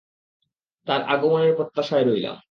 তার আগমনের প্রত্যাশায় রইলাম।